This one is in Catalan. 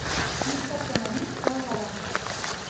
Dissabte na Nit va a Gavà.